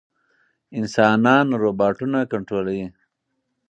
انسانان روباټونه کنټرولوي.